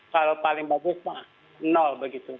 kalau paling bagus nol begitu